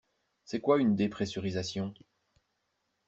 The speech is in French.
C'est quoi une dépressurisation?